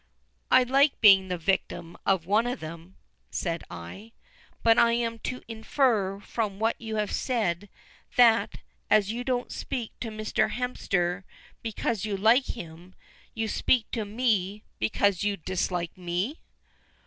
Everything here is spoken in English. "I like being the victim of one of them," said I; "but am I to infer from what you have said that, as you don't speak to Mr. Hemster because you like him, you speak to me because you dislike me?"